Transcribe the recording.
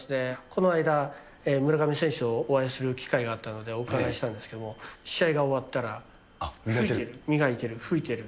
この間、村上選手とお会いする機会があったのでお伺いしたんですけれども、試合が終わったら、磨いてる、拭いてる。